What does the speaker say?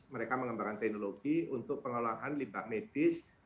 mereka mengembangkan teknologi untuk pengolahan limbah medis